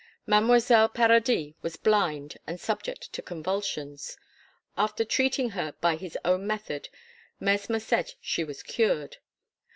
Mademoiselle Paradis was blind and subject to convulsions. After treating her by his own method Mesmer said she was cured.